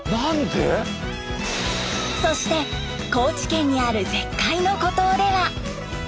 そして高知県にある絶海の孤島では。